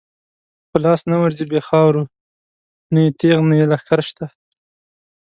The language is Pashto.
په لاس نه ورځی بی خاورو، نه یی تیغ نه یی لښکر شته